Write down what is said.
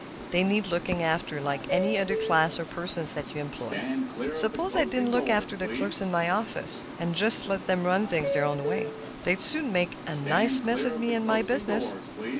They need looking after, like any other class of persons that you employ. Suppose I didn't look after the clerks in my office, just let them run things their own way; they'd soon make a nice mess of me and my business."